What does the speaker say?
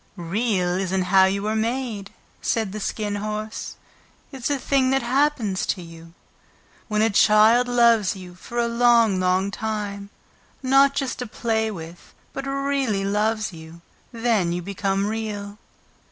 "Real isn't how you are made," said the Skin Horse. "It's a thing that happens to you. When a child loves you for a long, long time, not just to play with, but REALLY loves you, then you become Real."